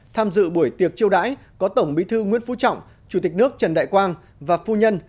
tham dự buổi tiệc chiêu đãi có tổng bí thư nguyễn phú trọng chủ tịch nước trần đại quang và phu nhân